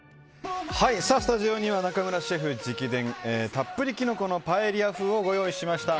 スタジオには中村シェフ直伝たっぷりキノコのパエリア風をご用意しました。